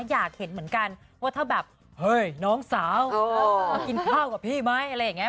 อยากเห็นเหมือนกันว่าถ้าแบบเฮ้ยน้องสาวมากินข้าวกับพี่ไหมอะไรอย่างนี้